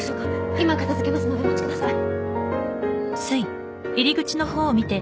今片づけますのでお待ちください